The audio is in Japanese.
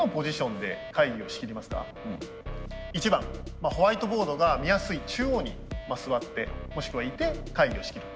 １番ホワイトボードが見やすい中央に座ってもしくはいて会議を仕切る。